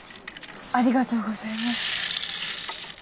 ありがとうございます。